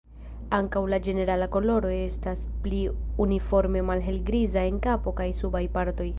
Ankaŭ la ĝenerala koloro estas pli uniforme malhelgriza en kapo kaj subaj partoj.